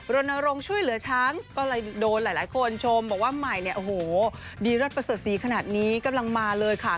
โรนโรงช่วยเหลือช้างก็โดนหลายคนชมบอกว่าใหม่เนี่ยโอ้โหดีรัดประสดสีขนาดนี้กำลังมาเลยค่ะ